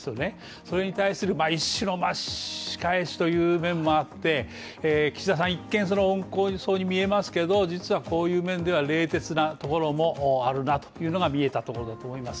それに対する仕返しという面もあって岸田さん一見その温厚そうに見えますけど実はこういう面では冷徹なところもあるなというのが見えたところだと思います。